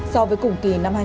so với cùng kỳ